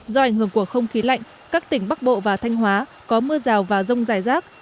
do ảnh hưởng của không khí lạnh các tỉnh bắc bộ và thanh hóa có mưa rào và rông dài rác